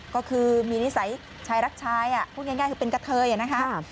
ก็คือมีนิสัยชายรักชายพูดง่ายคือเป็นกะเทยนะคะ